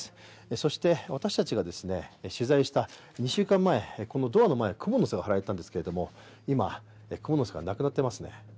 そして私たちが取材した２週間前、このドアの前、くもの巣が張られてたんですけれども今、くもの巣がなくなってますね。